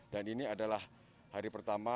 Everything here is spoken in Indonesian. dan ini adalah hari pertama